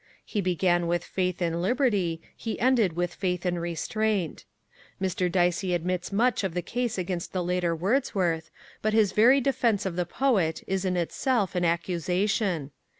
He began with faith in liberty; he ended with faith in restraint. Mr. Dicey admits much of the case against the later Wordsworth, but his very defence of the poet is in itself an accusation.